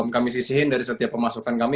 kami sisihin dari setiap pemasukan kami